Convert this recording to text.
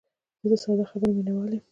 زه د ساده خبرو مینوال یم.